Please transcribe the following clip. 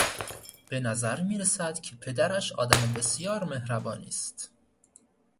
به نظر میرسد که پدرش آدم بسیار مهربانی است.